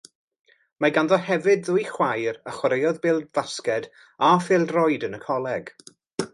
Mae ganddo hefyd ddwy chwaer a chwaraeodd bêl-fasged a phêl-droed yn y coleg.